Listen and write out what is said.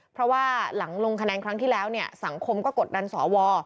เพราะว่าหลังลงคะแนนครั้งที่แล้วเนี่ยสังคมก็กดดันสว